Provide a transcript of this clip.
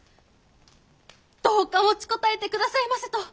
どうか持ちこたえてくださいませと！